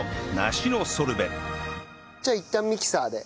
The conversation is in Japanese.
じゃあいったんミキサーで。